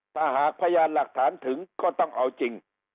ถ้าหากพยานหลักฐานถึงก็ต้องเอาจริง